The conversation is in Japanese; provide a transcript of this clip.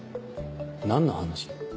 何の話？